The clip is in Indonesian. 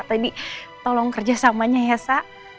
tadi tolong kerjasamanya ya sa